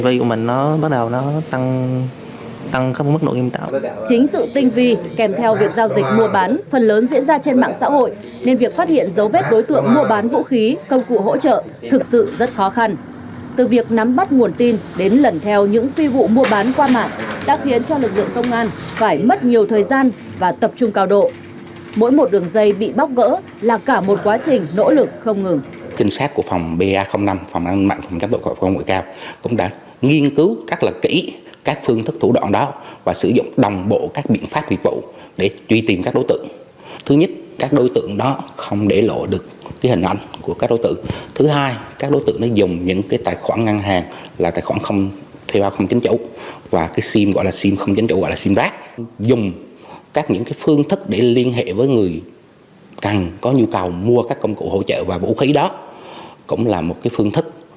hải khai nhận từ tháng một mươi hai năm hai nghìn hai mươi hai hải khai nhận từ tháng một mươi hai năm hai nghìn hai mươi hai hải khai nhận từ tháng một mươi hai năm hai nghìn hai mươi hai hải khai nhận từ tháng một mươi hai năm hai nghìn hai mươi hai hải khai nhận từ tháng một mươi hai năm hai nghìn hai mươi hai hải khai nhận từ tháng một mươi hai năm hai nghìn hai mươi hai hải khai nhận từ tháng một mươi hai năm hai nghìn hai mươi hai hải khai nhận từ tháng một mươi hai năm hai nghìn hai mươi hai hải khai nhận từ tháng một mươi hai năm hai nghìn hai mươi hai hải khai nhận từ tháng một mươi hai năm hai nghìn hai mươi hai hải khai nhận từ tháng một mươi hai năm hai nghìn hai mươi hai hải khai nhận từ tháng một mươi hai năm hai nghìn hai mươi hai hải khai nhận từ tháng một mươi hai năm hai nghìn hai mươi hai hải khai nhận từ tháng một mươi hai năm hai nghìn hai mươi hai hải khai nhận từ tháng một mươi hai năm hai nghìn hai mươi hai hải khai nhận từ tháng một mươi hai